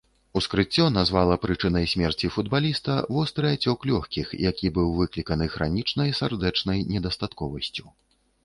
Ускрыццё назвала прычынай смерці футбаліста востры ацёк лёгкіх, які быў выкліканы хранічнай сардэчнай недастатковасцю.